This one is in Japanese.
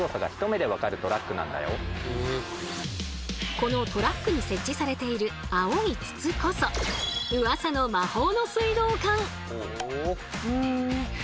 このトラックに設置されている青い筒こそうわさの魔法の水道管！